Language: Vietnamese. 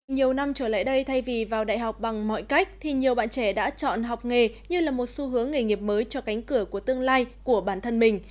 nhiều năm trở lại đây thay vì vào đại học bằng mọi cách thì nhiều bạn trẻ đã chọn học nghề như là một xu hướng nghề nghiệp mới cho cánh cửa của tương lai của bản thân mình